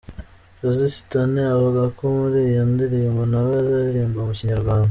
Josi sitone avuga ko muri iyo ndirimbo nawe azaririmba mu Kinyarwanda.